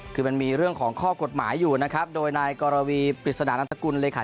คือมันมีเรื่องของข้อกฎหมายอยู่นะครับโดยนายกรวีปริศนานันตกุลเลขา